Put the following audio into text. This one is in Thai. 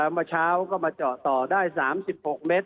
เมื่อเช้าก็มาเจาะต่อได้๓๖เมตร